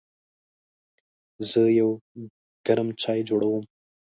زه یو ګرم چای جوړوم.